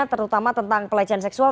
terutama tentang pelecehan seksual